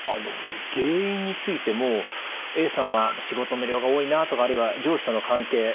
原因についてもＡさんは仕事の量が多いなとかあるいは上司との関係